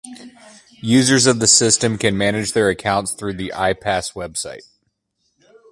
Users of the system can manage their accounts through the I-Pass website.